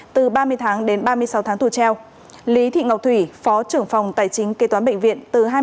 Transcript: từ ba mươi tháng đến ba mươi sáu tháng tù treo lý thị ngọc thủy phó trưởng phòng tài chính kê toán bệnh viện